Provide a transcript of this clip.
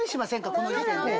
この時点で。